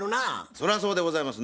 それはそうでございます。